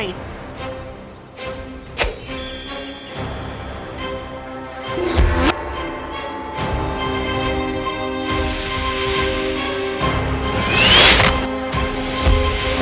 tidak tidak tidak lupakan